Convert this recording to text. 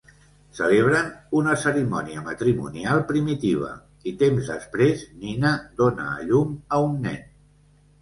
Celebren una cerimònia matrimonial primitiva, i temps després Nina dóna a llum a un nen.